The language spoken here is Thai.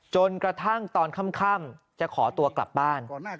จนกระทั่งตอนค่ำจะขอตัวกลับบ้าน